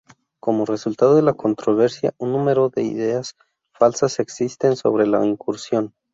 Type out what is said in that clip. Como resultado de la controversia un número de ideas falsas existen sobre la incursión.